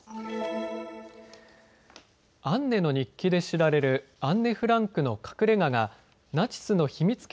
アンネの日記で知られるアンネ・フランクの隠れ家がナチスの秘密